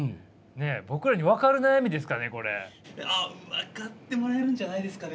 分かってもらえるんじゃないですかね。